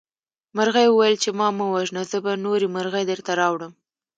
مرغۍ وویل چې ما مه وژنه زه به نورې مرغۍ درته راوړم.